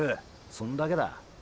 そんだけだ。